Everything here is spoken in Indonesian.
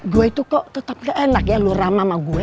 gue tuh kok tetep gak enak ya lo ramah sama gue